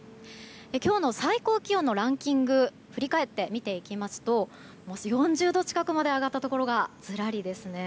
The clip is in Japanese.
今日の最高気温のランキング振り返って見ていきますと４０度近くまで上がったところがずらりですね。